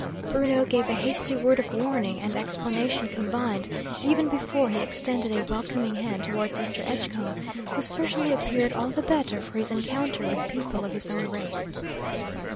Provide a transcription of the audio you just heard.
Bruno gave a hasty word of warning and explanation combined, even before he extended a welcoming hand towards Mr. Edgecombe, who certainly appeared all the better for his encounter with people of his own race.